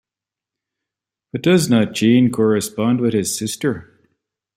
But does not Jane correspond with his sister?